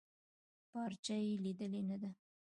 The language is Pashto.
پارچه يې ليدلې نده.